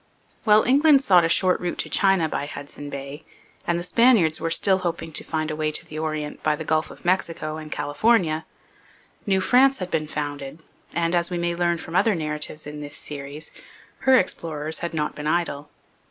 While England sought a short route to China by Hudson Bay, and the Spaniards were still hoping to find a way to the orient by the Gulf of Mexico and California, New France had been founded, and, as we may learn from other narratives in this series, her explorers had not been idle.